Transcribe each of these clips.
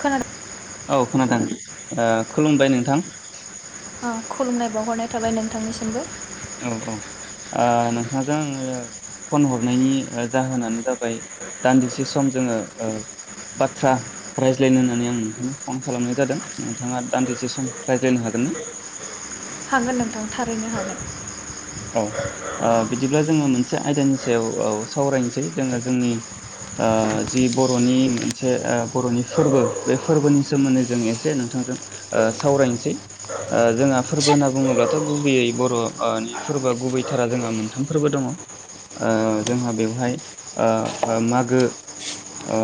खोनादों औ खोनादों ओ खुलुमबाय नोंथां [inaudible] ओ खुलुमनाय बावहरनाय थाबाय नोंथांनिसिमबो औ औ ओ नोंथांजों आङो फन हरनायनि ओ जाहोनानो जाबाय दान्दिसे सम जोङो ओ बाथ्रा रायज्लायनो होननानै आं नोंथांनो फन खालामनाय जादों नोंथाङा दान्दिसे सम रायज्लायनो हागोन ना हागोन नोंथां थारैनो हागोन औ ओ बिदिब्ला जोङो मोनसे मोनसे आयदानि सायाव औ सावरायनोसै जोङो जोंनि ओ जि बरनि मोनसे ओ बरनि फोरबो बे फोरबोनि सोमोन्दै जों एसे नोंथांजों ओ सावरायनोसै ओ जोंहा फोरबो होनना बुङोब्लाथ गुबैयै बर ओ फोरबोआ गुबैथारा जोंहा मोनथाम फोरबो दङ ओ जोंहा बेवहाय ओ मागो ओ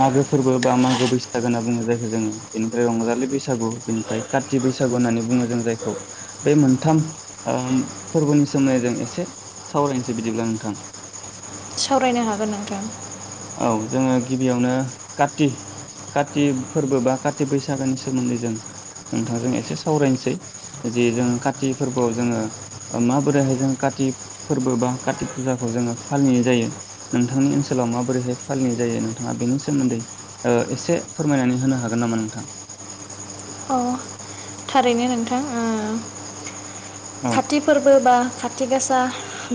मागो फोरबो बा मागो बैसागो होनना बुङो जायखौ जोङो बेनिफ्राय रंजालि बैसागु बेनिफ्राय काति बैसागु होननानै बुङो जों जायखौ बे मोनथाम ओम फोरबोनि सोमोन्दै जों एसे सावरायनोसै बिदिब्ला नोंथां सावरायनो हागोन नोंथां औ जोङो गिबियावनो काति काति फोरबो बा काति बैसागोनि सोमोन्दै जों नोंथांजों एसे सावरायनोसै जे जों काति फोरबोआव जोङो माबोरैहाय जों कातिक फोरबो बा कातिक फुजाखौ जोङो फालिनाय जायो नोंथांनि ओनसोलाव माबोरैहाय फालिनाय जायो नोंथाङा बेनि सोमोन्दै ओ एसे फोरमायनानै होनो हागोन नामा नोंथां अ थारैनो नोंथां ओ औ खाथि फोरबो बा खाथि गासा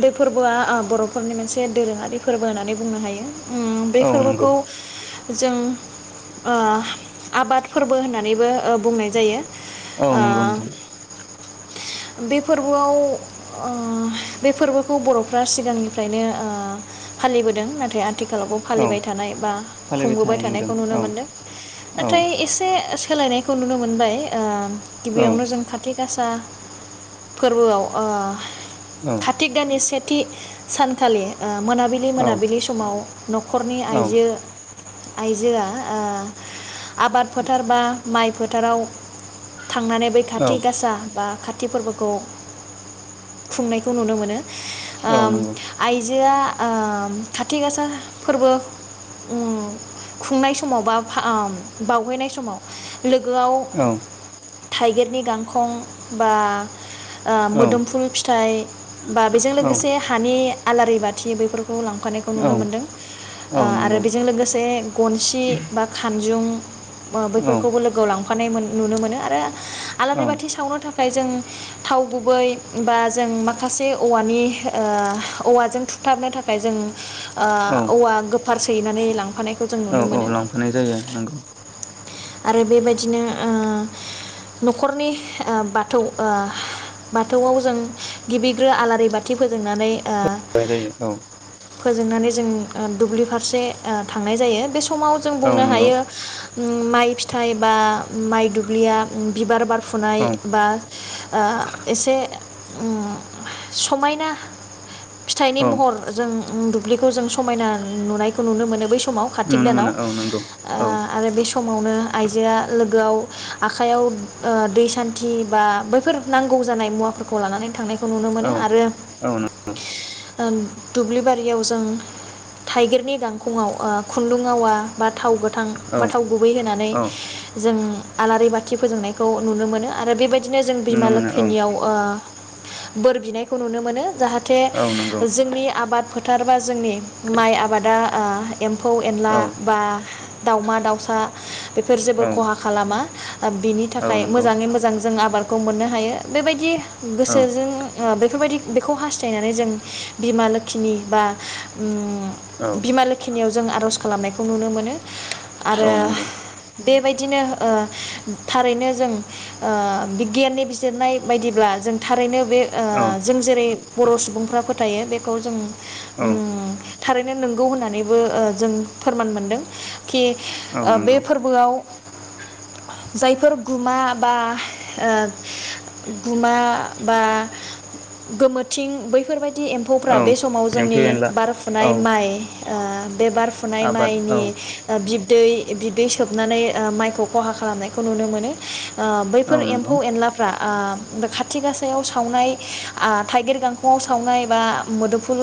बे फोरबोआ बरफोरनि मोनसे दोरोङारि फोरबो होननानै बुंनो हायो उम बे औ नंगौ फोरबोखौ जों ओ आबाद फोरबो होननानैबो ओ बुंनाय जायो औ नंगौ नोंथां बे फोरबोआव ओ बे फोरबोखौ बरफ्रा सिगांनिफ्रायनो ओ फालिबोदों नाथाय आ थिखालावबो औ फालिबाय थानाय बा फालिबाय खुंबोबाय थानाय नुदों थानायखौ नुनो औ मोनदों औ नाथाय एसे सोलायनायखौ नुनो मोनबाय ओ औ गिबियावनो जों खाथि गासा फोरबोआव ओ औ काथिक दानि से थि सानखालि ओ मोनाबिलि औ मोनाबिलि समाव नखरनि औ आइजो आइजोआ ओ आबाद फोथार बा माइ फोथाराव थांनानै बै औ खाथि गासा बा काति फोरबोखौ खुंनायखौ नुनो मोनो औ ओम नंगौ आइ जोंहा ओ खाथि गासा फोरबो ओम खुंनाय समाव बा ओ बावहैनाय समाव लोगोआव औ थाइगिरनि गांखं बा ओ औ मोदोमफुल फिथाइ बा बेजों औ लोगोसे हानि आलारि बाथि बैफोरखौ लांफानायखौ नुनो औ मोनदों औ आरो नंगौ बेजों लोगोसे गनसि बा खानजुं ओ औ बैफोरखौबो लोगो लांफा [unintelligible] नुनो मोनो आरो आलारि बाथि सावनो थाखाय जों थाव गुबै बा जों माखासे औवानि ओ औवाजों थुथाबनो थाखाय जों आ औ औवा फार सैनानै लांफानाय औ औ लांफानाय जायो नंगौ। आरो बेबायदिनो ओ नखरनि ओ बाथौ ओ बाथौआव जों गिबिग्रो आलारि बाथि फोजोंनानै ओ [unintelligible] औ फोजोंनानै जों दुब्लि फारसे थांनाय जायो बे समाव जों औ बुंनो नंगौ हायो माइ फिथाइ बा माइ दुब्लिया बिबार बार औ फुनाय बा आ एसे समायना फिथाइनि औ महर जों दुब्लिखौ जों समायना नुनायखौ नुनो मोनो बै सम समाव कारतिक नुनो दानाव मोनो औ नंगौ औ आं आरो बे समावनो आइजोआ लोगोआव आखाइयाव आ दै सान्थि बा बैफोर नांगौ जानाय मुवाफोरखौ लानानै थांनाय नुनो औ मोनो आरो औ नंगौ दुब्लि बारियाव जों थाइगिरनि गांखंआव खुन्दुं आवा बा थाव गो गो थां औ बा थाव गुबै होनानै औ जों आलारि बाथि फोजोंनायखौ नुनो मोनो आरो बेबायदि बिदिनो जों नुनो बिमा मोनो औ लोखिनियाव ओ बोर बिनायखौ नुनो मोनो जाहे जाहाथे औ नंगौ जोंनि आबाद फोथारबा जोंनि माइ आबादा ओ एम्फौ एनला औ बा दाउमा दाउसा बेफोर जेबो औ खहा खालाम मा। बिनि औ थाखाय नंगौ मोजाङै मोजां जों आबादखौ मोननो हायो बेबायदि औ गोसोजों बेफोरबायदि बेखौ हास्थायनानै जों बिमा लोखिनि बा औ उम बिमा लोखिनियाव जों आरज खालामनायखौ नुनो मोनो। आरो औ नंगौ। बेबायदिनो ओ थारैनो जों ओ बिगियाननि बिजिरनाय बायदिब्ला जों थारैनो बे ओ औ जों जेरै बर सुबुंफोरा फो फोथायो बेखौ जों औ उम थारैनो नंगौ होननानैबो जों फोरमान मोनदों। औ बे नंगौ फोरबोआव जायफोर गुमा बा ओ गुमा बा गोमोथिं बैफोर बायदि बिदि एम्फौफ्रा औ बे समाव एम्फौ जोंनि एनला औ बारफुनाय माइ ओ बे बारफुनाय आबाद औ माइनि ओ बि दै बि दै सोबनानै ओ माइखौ खहा खालामनायखौ नुनो मोनो। ओ औ बैफोर नंगौ एम्फौ एनलाफ्रा ओ खाथि गासायाव सावनाय ओ थाइगिर गांखंआव सावनाय बा मोदोमफुल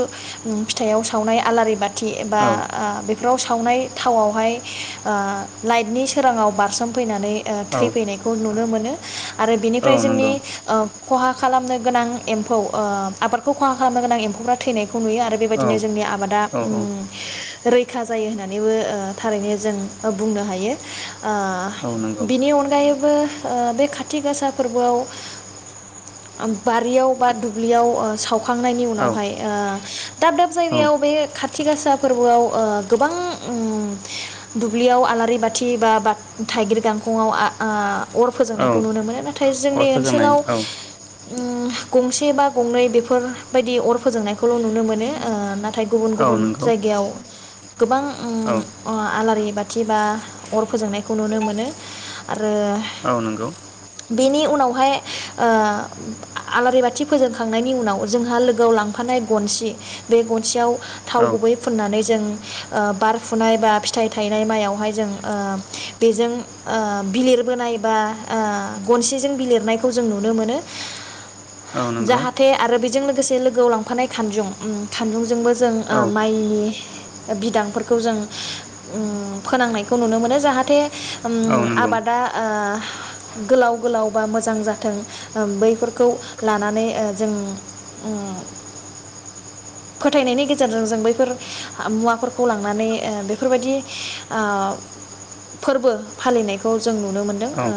फिथाइआव सावनाय आलारि बा थि एबा औ ओ सावनाय थावावहाय ओ लाइटनि सोराङाव बारसोमफैनानै। ओ औ थैफैनायखौ नुनो मोनो। नो आरो औ बेनिफ्राय जोंनि नंगौ ओ खहा खालामनो गोनां एम्फौ ओ आबादखौ खहा खालामनो गोनां एम्फौफ्रा थैनाय खौ नुयो आरो औ बेबायदिनो जोंनि आबादा औ उम औ रैखा जायो होननानैबो ओ थारैनो जों बुंनो हायो। ओ औ नंगौ बिनि अनगायै बो ओ बे खाथि गासा फोरबोआव ओ बारियाव बा दुब्लियाव साव खांनायनि औ उनावहाय ओ दाब दाब औ जायगायाव बे खा थिगासा फोरबोआव ओ गोबां उम दुब्लियाव आलारि बाथि बा-बा थाइगिर गांखंआव आ आ अर औ फोजोंनायखौ नुनो मोनो नाथाय अर जोंनि फोजोंनाय ओनसोलाव औ उम गंसे बा गंनै बेफोरबायदि अर फोजोंनाय खौल' नुनो मोनो ओ नाथाय गुबुन औ गुबुन नंगौ जायगायाव गोबां उम औ आ आलारि बा थिबा अर फोजोंनायखौ नुनो मोनो आ आरो औ नंगौ बेनि उनावहाय ओ आलारि बाथि फोजोंखांनायनि उनाव जोंहा लोगोआव लांफानाय गनसि बे गनसियाव थाव औ गुबै फुननानै जों ओ बारफुनाय बा फिथाइ थाइ गानाय माइयावहाय जों ओ बेजों ओ बिलिरबोनाय बा ओ गनसेजों बिलिरनायखौ जों नुनो मोनो। औ नंगौ जाहाथे आरो बेजों लोगो लोगोसे लोगोआव लांफानाय खानजुं उम खानजुंजोंबो जों औ ओ माइनि बिदांफोरखौ जों उम फोनांनायखौ नुनो मोनो जाहाथे उम औ नंगौ आबादा ओ गोलाव गोलाव बा मोजां जाथों ओ बैफोरखौ लानानै ओ जों उम फोथायनायनि गेजेरजों जों बैफोर मुवाफोरखौ लांनानै ओ बेफोरबायदि ओ फोरबो फालिनायखौ जों नुनो मोन्दों औ ओ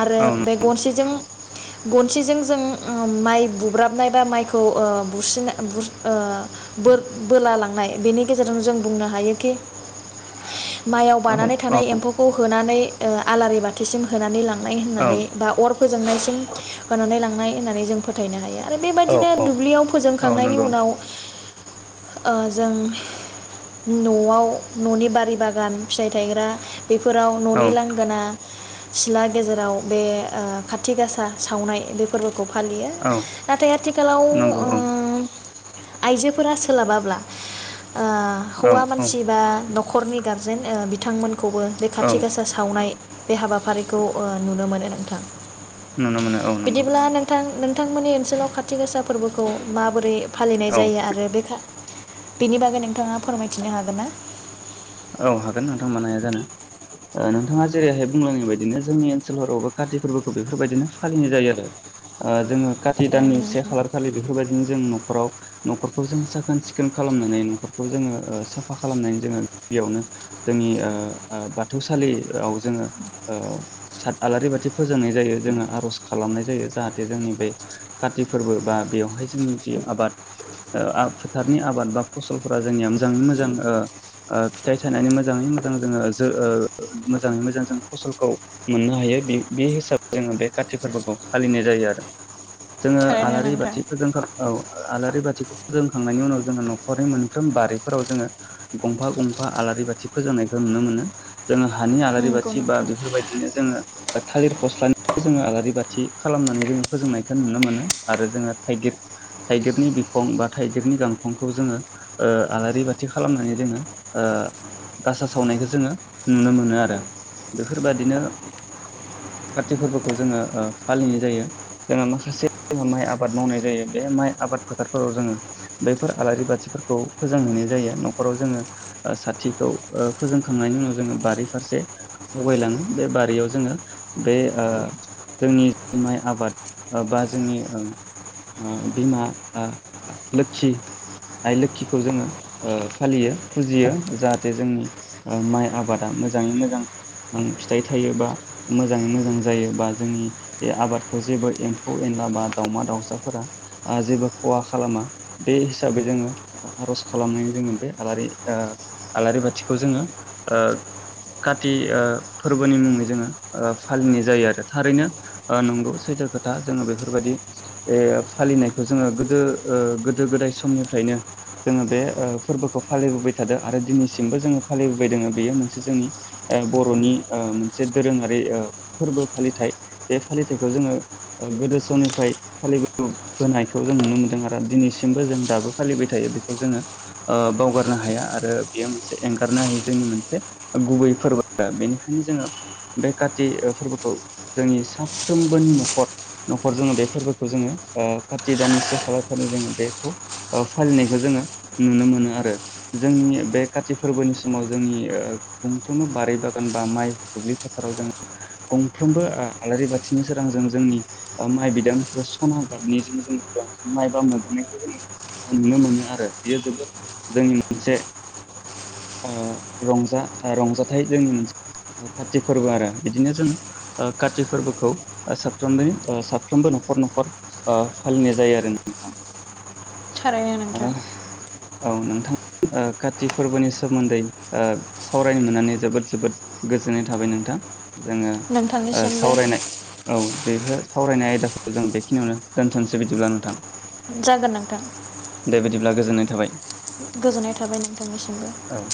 आरो बे गनसिजों गनसिजों जों ओ माइ बुब्राबनाय बा माइखौ ओ बुस्रिना बुर ओ बोर बोला लांनाय बेनि गेजेरजों जों बुंनो हायोखि माइआव औ बानानै थानाय एम्फौखौ होनानै, ओ आलारि बाथिसिम, होनानै लांनाय औ होननानै बा अर फोजोंनायसिम होनानै लांनाय, होननानै जों फोथायनो हाया, आरो बेबायदिनो औ दुब्लियाव औ फोजोंखांनायनि नंगौ उनाव ओ जों न'आव न'नि बारि बागान फिथाइ थायग्रा बेफोराव औ ननि लांगोना सिला गेजेराव बे ओ खाथि गासा सावनाय बे फोरबो खौ फालियो नाथाय आथिखालाव नंगौ औ ओ आइजोफोरा सोलाबाब्ला ओ औ हौवा औ मानसि बा, नि गारजेन ओ बिथांमोन, खौबो जे औ खाथि गासा सावनाय, बे हाबाफारिखौ ओ नुनो मोनो, नोंथां नुनो मोनो औ नंगौ बिदिब्ला नोंथां नों नोंथांमोननि ओनसोलाव खाथि गोसा फोरबोखौ माबोरै, फालिनाय औ जायो आरो बे खा बेनि बागै नोंथाङा फोरमायथिनो हागोन ना? औ हागोन नोंथां मानो हाया जानो ओ नोंथाङा जेरैहाय बुंलांनाय बायदिनो जोंनि ओनसोलफोरावबो काति फोरबोखौ बेफोर बायदिनो फालिनाय जायो आरो ओ जोङो, खाथि दाननि से ना खालार खालि बेफोर बायदिनो जों न न'खराव न'खरखौ जों साखोन सिखोन खालामनानै न'खरखौ जोङो ओ साफा खालामनानै जोङो, बेयावनो जोंनि ओ ओ बाथौसालियाव जोङो ओ साद आलारि बाथि फोजोंनाय जायो जोङो आरज खालामनाय जायो जाहाथे जोंनि बे काति फोरबो बा बेवहाय जोंनि जि ओ आबाद फोथारनि आबाद बा फसलफोरा जोंनिया मोजाङै मोजां ओ, ओ फिथाइ सानानै मोजाङै मोजां जोङो जो ओ मोजाङै मोजां जों फसलखौ मोननो हायो बे बे हिसाबै जोङो बे कारति फोरबोखौ फालिनाय जायो आरो जोङो थारैनो आलारि नोंथां बाथि फोजोंखो औ आलारि बाथिखौ फोजोबखांनायनि उनाव जोङो न'खरनि मोनफ्रोम बारिफोराव जोङो, गंफा गंफा आलारि बाथि फोजोंनायखौ नुनो मोनो जोङो, हानि आलारि नंगौ बाथि बा नोंथां बेफोरबायदिनो जोङो, थालिर फस्लानिखौ जोङो आलारि बाथि खालामनानै जोङो फोजोंनायखौ नुनो मोनो आरो जोङो थाइगिर थाइगिरनि बिखं बा थाइगिरनि गांखंखौ जोङो ओ आलारि बाथि खालामनानै, जोङो ओ गासा सावनायखौ जोङो नुनो मोनो आरो बेफोरबादिनो काति फोरबोखौ जोङो ओ फालिनाय जायो जोङो माखासे माइ आबाद मावनाय जायो बे माइ आबाद फोथारफोराव जोङो बैफोर आलारि बाथिफोरखौ फोजांहैनाय जायो न न'खराव जोङो ओ साथिखौ ओ फोजोंखांनायनि उनाव जोङो बारि फारसे आवगायलाङो बे बारियाव जोङो बे ओ जोंनि माइ आबाद बा जोंनि ओ ओ बिमा लोखि आइ लोखिखौ जोङो ओ, फालियो फुजियो जाहाथे ओ जोंनि माइ आबादा मोजाङै मोजां ओ फिथाइ थायो बा मोजाङै मोजां जायो बा जोंनि बे आबादखौ जेबो एम्फौ एनला बा दाउमा दाउसाफोरा ओ जेबो खहा खालामा बे हिसाबै जोङो आरज खालामनानै जोङो बे, आलारि ओ आलारि बाथिखौ ओ जोङो काति ओ फोरबोनि मुङै जोङो ओ फालिनाय जायो आरो थारैनो नंगौ सैथो खोथा जोङो बेफोरबायदि फालिनायखौ जोङो गोदो ओ गोदो गोदाय समनिफ्रायनो जोङो बे फोरबोखौ, फालिबोबाय थादों आरो दिनैसिमबो जोङो फालिबोबाय दङ बेयो मोनसे जोंनि ओ बर'नि ओ मोनसे दोरोङारि फोरबो फालिथाय बे फालिथायाइखौ जोङो गोदो समनिफ्राय फालिबोबोनायखौ जों नुनो मोनदों आरो दिनैसिमबो जों दाबो फालिबाय थायो बेखौ जोङो ओ बावगार, नो हाया आरो बेयो मोनसे एंगारनो हायो जोंनि मोनसे गुबै फोरबो बेनिखायनो जोङो बे काति ओ फोरबोखौ जोंनि साफ्रोमबोनि न'खर न'खर जोङो बे फोरबोखौ जोङो ओ काति दाननि से खालार खालि जोङो बेखौ फालिनायखौ जोङो नुनो मोनो आरो। जोंनि बे काति फोरबोनि समाव जोंनि ओ गंफ्रोमबो बारि बागान बा माइ दुब्लि फोथाराव जों गंफ्रोमबो ओ आलारि बाथिनि सोरांजों जोंनि माइ बिदां सना गाबनिजों जों माइ बा मोदाननायखौ जोङो नुनो मोनो आरो बेयो जोबोद जोंनि मोनसे ओ रंजा-रंजाथाइ जोंनि मोनसे काति फोरबो आरो बिदिनो जों ओ काति फोरबोखौ साफ्रोम साफ्रोमबो न'खर न'खर फालिनाय जायो आरो नोंथां। थारैनो नोंथां। ओ औ नोंथां। ओ काति फोरबोनि सोमोन्दै ओ सावरायनो मोननानै जोबोद जोबोद गोजोननाय थाबाय नोंथां। जोङो ओ नोंथांनिसिमबो सावरायनाय औ बेफोर सावरायनाय आयदाखौ जों बेखिनियावनो दोनथ'नोसै बिदिब्ला नोंथां। जागोन नोंथां। दिब्ला गोजोननाय थाबाय। गोजोननाय थाबाय नोंथांनिसिमबो। औ